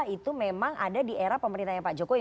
itu memang ada di era pemerintahnya pak jokowi